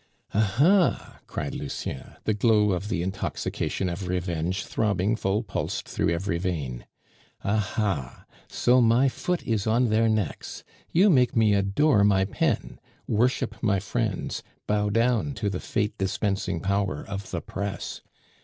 "Aha!" cried Lucien, the glow of the intoxication of revenge throbbing full pulsed through every vein. "Aha! so my foot is on their necks! You make me adore my pen, worship my friends, bow down to the fate dispensing power of the press.